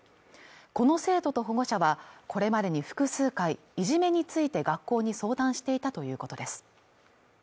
この生徒と保護者はこれまでに複数回いじめについて学校に相談していたということです